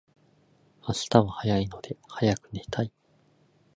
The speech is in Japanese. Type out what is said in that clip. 明日は早いので早く寝たい